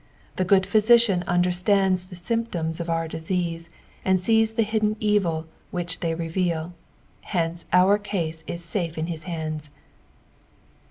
The good Physician understands the symptoms of our disease and sees the hidden evil which they reveal, hence our caae is safe in hia hands.